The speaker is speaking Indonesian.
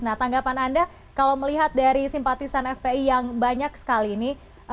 nah tanggapan anda kalau melihat dari simpatisan fpi yang banyak sekali ini